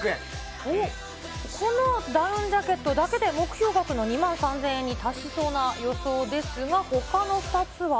このダウンジャケットだけで目標額の２万３０００円に達しそうな予想ですが、ほかの２つは？